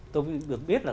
tôi mới được biết là